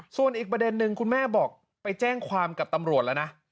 ส่วนอีกประเด็นนึงคุณแม่บอกไปแจ้งความกับตำรวจแล้วนะ